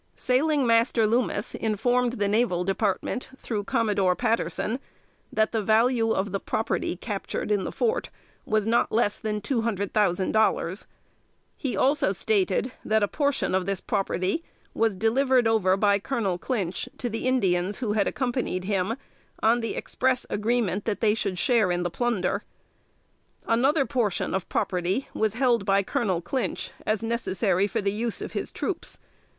Sailing Master Loomis informed the Naval Department, through Commodore Patterson, that the value of the property captured in the fort was "not less than two hundred thousand dollars." He also stated that a portion of this property was "delivered over by Colonel Clinch to the Indians who had accompanied him, on the express agreement that they should share in the plunder." Another portion of property was held by Colonel Clinch, as necessary for the use of the troops.